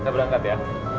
kita berangkat ya